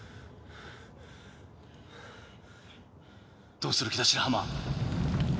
どうする気だ白浜